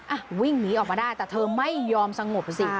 อ่ะวิ่งหนีออกมาได้แต่เธอไม่ยอมสงบสิ